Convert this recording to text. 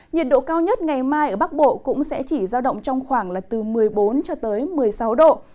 nhiệt độ cao nhất ngày mai ở bắc bộ cũng sẽ chỉ giao động trong khoảng là từ một mươi bốn cho tới một mươi sáu độ